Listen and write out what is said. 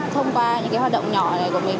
thông qua những hoạt động nhỏ này của mình